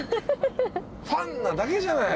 ファンなだけじゃない。